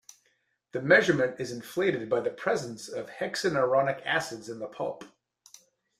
The measurement is inflated by the presence of hexenuronic acids in the pulp.